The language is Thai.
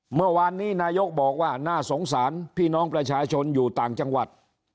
เมื่อวานนี้นายกบอกว่าน่าสงสารพี่น้องประชาชนอยู่ต่างจังหวัด